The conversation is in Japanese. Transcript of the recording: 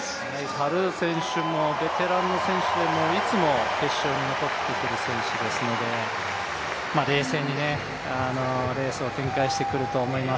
タルー選手もベテランの選手でいつも決勝に残ってくる選手ですので冷静にレースを展開してくると思います。